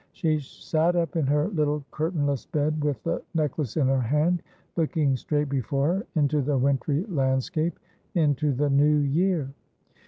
She sat up in her little curtainless bed, with the necklace in her hand, looking straight before her, into the wintry landscape, into the new year.